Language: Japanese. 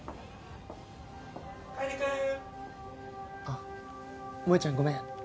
あっ萌ちゃんごめん。